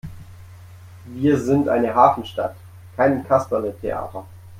Wir sind eine Hafenstadt, kein Kasperletheater!